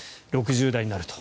６０代になると。